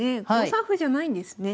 ５三歩じゃないんですね。